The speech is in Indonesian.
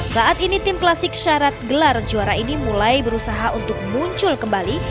saat ini tim klasik syarat gelar juara ini mulai berusaha untuk muncul kembali